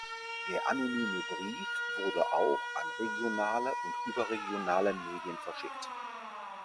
Der anonyme Brief wurde auch an regionale und überregionale Medien verschickt.